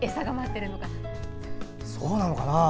そうなのかな。